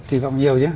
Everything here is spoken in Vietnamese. kỳ vọng nhiều chứ